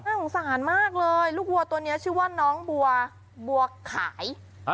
สงสารมากเลยลูกวัวตัวนี้ชื่อว่าน้องบัวบัวขาย